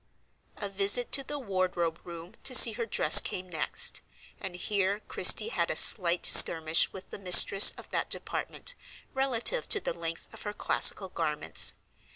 A visit to the wardrobe room to see her dress came next; and here Christie had a slight skirmish with the mistress of that department relative to the length of her classical garments.